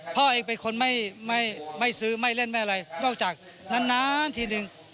พ่อเองเป็นคนไม่ซื้อไม่เล่นไม่อะไรนอกจากนานทีนึง